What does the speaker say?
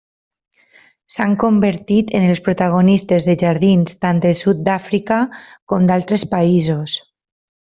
S'han convertit en les protagonistes de jardins tant de Sud-àfrica com d'altres països.